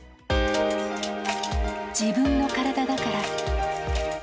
自分の体だから。